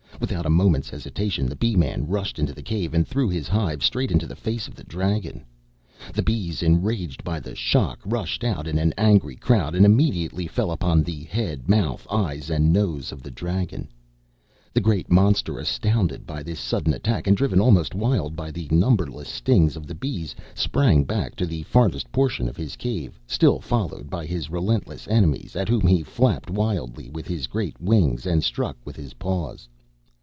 Without a moment's hesitation, the Bee man rushed into the cave and threw his hive straight into the face of the dragon. The bees, enraged by the shock, rushed out in an angry crowd and immediately fell upon the head, mouth, eyes, and nose of the dragon. The great monster, astounded by this sudden attack, and driven almost wild by the numberless stings of the bees, sprang back to the farthest portion of his cave, still followed by his relentless enemies, at whom he flapped wildly with his great wings and struck with his paws.